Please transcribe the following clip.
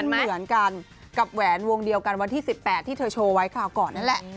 เหมือนกันกับแหวนวงเดียวกันวันที่๑๘ที่เธอโชว์ไว้คราวก่อนนั่นแหละ